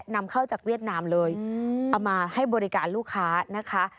นำเข้าจากเวียดนามเลยเอามาให้บริการลูกค้านะคะ